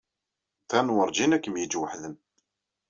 Dan werǧin ad kem-yeǧǧ weḥd-m.